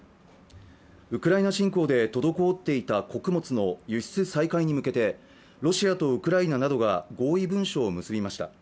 ウクライナ侵攻で滞っていた穀物の輸出再開に向けてロシアとウクライナなどが合意文書を結びました。